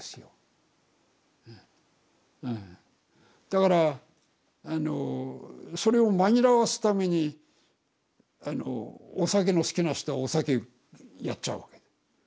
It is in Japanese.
だからあのそれを紛らわすためにお酒の好きな人はお酒やっちゃうわけ。